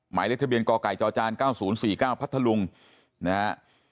หมายเลขทะเบียนกไก่จจ๙๐๔๙พัทธลุงนะฮะ